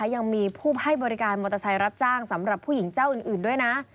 ยังมีผู้ให้บริการมอเตอร์ไซค์รับจ้างสำหรับผู้หญิงเจ้าอื่นด้วยนะ